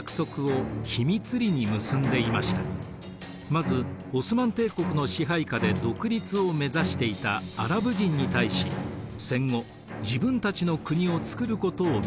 まずオスマン帝国の支配下で独立を目指していたアラブ人に対し戦後自分たちの国をつくることを認めました。